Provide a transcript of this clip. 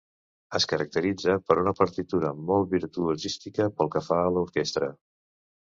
Es caracteritza per una partitura molt virtuosística pel que fa a l'orquestra.